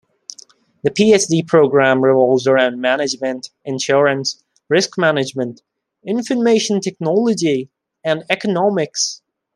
The PhD program revolves around Management, Insurance, Risk Management, Information Technology and Economics.